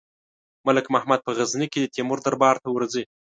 ملک محمد په غزني کې د تیمور دربار ته ورځي.